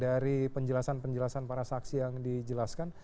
dari penjelasan penjelasan para saksi yang dijelaskan